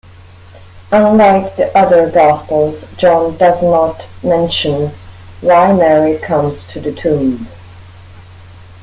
Unlike the other gospels John does not mention why Mary comes to the tomb.